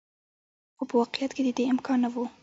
خو په واقعیت کې د دې امکان نه و.